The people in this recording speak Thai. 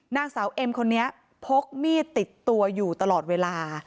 นางสาวเอ็มคนนี้พกมีดติดตัวอยู่ตลอดเวลา